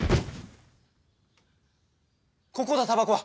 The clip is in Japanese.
ここだタバコは。